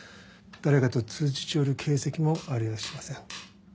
誰かと通じちょる形跡もありゃあしません。